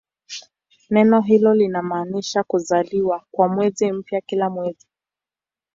Neno hilo linamaanisha "kuzaliwa" kwa mwezi mpya kila mwezi.